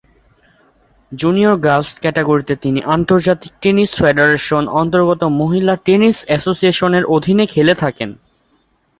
Junior girls ক্যাটাগরিতে তিনি আন্তর্জাতিক টেনিস ফেডারেশনের অন্তর্গত মহিলা টেনিস অ্যাসোসিয়েশনের অধীনে খেলে থাকেন।